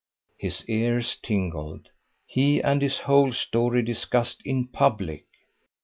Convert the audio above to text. His ears tingled. He and his whole story discussed in public!